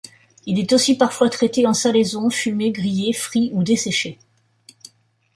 Il est aussi parfois traité en salaison, fumé, grillé, frit ou desséché.